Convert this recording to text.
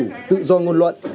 ngoại truyền ngôn luận